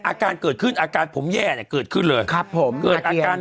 อาการเกิดขึ้นอาการผมแย่เนี่ยเกิดขึ้นเลยครับผมเกิดอาการ